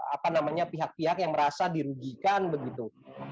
apa namanya pihak pihak yang merasa dirugikan begitu